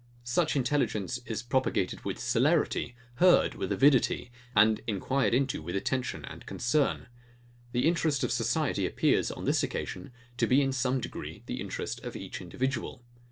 Such intelligence is propagated with celerity, heard with avidity, and enquired into with attention and concern. The interest of society appears, on this occasion, to be in some degree the interest of each individual.